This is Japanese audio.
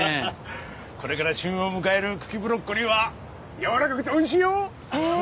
これから旬を迎える茎ブロッコリーは軟らかくておいしいよはははっ。